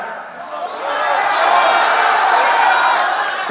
kepada negara bangsa rakyat